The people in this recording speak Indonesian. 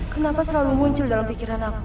kenapa selalu muncul dalam pikiran aku